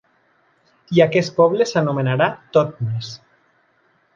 I aquest poble s'anomenarà Totnes.